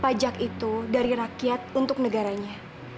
pajak itu dari rakyat untuk negaranya